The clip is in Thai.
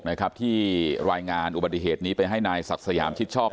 นะครับที่รายงานอุบัติเหตุนี้ไปให้นายศักดิ์สยามชิดชอบ